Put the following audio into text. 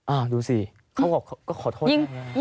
ดูสิเขาก็ขอโทษนะ